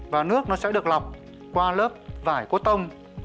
và nước nó sẽ được lọc qua lớp vải có tông